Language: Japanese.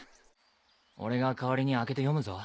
俺が代わりに開けて読むぞ。